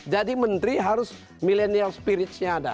jadi menteri harus milenial spiritnya ada